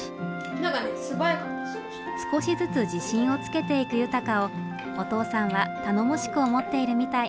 少しずつ自信をつけていく悠鷹をお父さんは頼もしく思っているみたい。